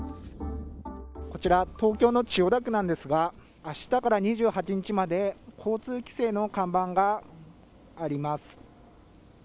こちら東京の千代田区なんですがあしたから２８日まで交通規制の看板があります。